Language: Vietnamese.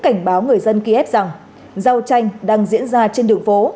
cảnh báo người dân kiev rằng giao tranh đang diễn ra trên đường phố